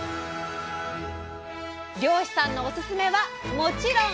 漁師さんのおすすめはもちろん刺身！